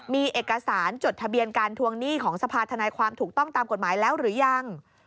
มีเอกสารจดทะเบียนการทวงหนี้ของสภาธนายความถูกต้องตามกฎหมายแล้วหรือยัง